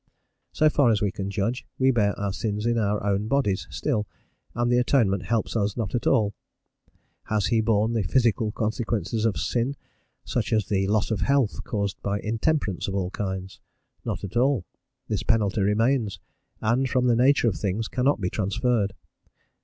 So far as we can judge, we bear our sins in our own bodies still, and the Atonement helps us not at all. Has he borne the physical consequences of sin, such as the loss of health caused by intemperance of all kinds? Not at all, this penalty remains, and, from the nature of things, cannot be transferred.